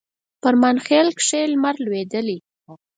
فرمانخیل کښي لمر لوېدلی